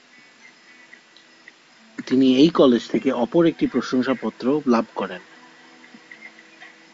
তিনি এই কলেজ থেকে অপর একটি প্রশংসাপত্র লাভ করেন।